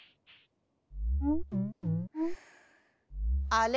あれ？